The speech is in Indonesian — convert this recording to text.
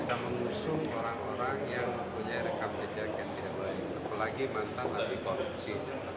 tidak usah kita mengusung orang orang yang punya rekam jejak yang tidak baik terlebih lagi mantan lagi korupsi